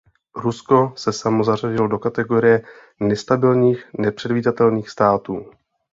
Rusko se samo zařadilo do kategorie nestabilních, nepředvídatelných států.